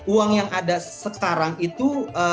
uang yang ada sekarang itu